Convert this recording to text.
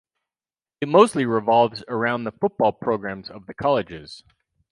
It mostly revolves around the football programs of the colleges.